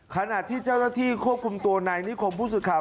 ขณะที่เจ้ารักษาเอกลุ่มตัวในนิโคมพูดสุดข่าว